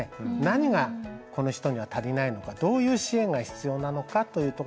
何がこの人には足りないのかどういう支援が必要なのかというところが大事。